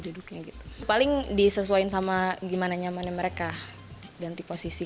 duduknya gitu paling disesuaikan sama gimana nyamannya mereka ganti posisi